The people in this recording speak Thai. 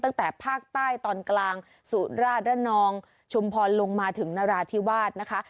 ตั้งแต่ภาคใต้ตอนกลางสุราชระนองชุมพรลงมาถึงนราธิวาสนะคะ